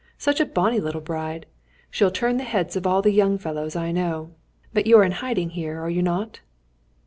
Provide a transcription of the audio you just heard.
Such a bonny little bride! She'll turn the heads of all the young fellows, I know. But you're in hiding here, are you not?"